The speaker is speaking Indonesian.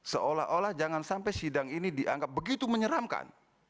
seolah olah jangan sampai sidang ini dianggap begitu menyeramkan